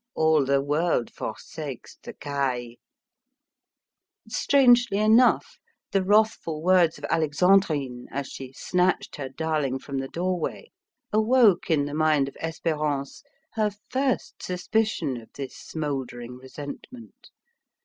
All the world forsakes the Caille." Strangely enough, the wrathful words of Alexandrine, as she snatched her darling from the doorway, awoke in the mind of Espérance her first suspicion of this smouldering resentment.